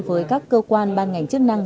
với các cơ quan ban ngành chức năng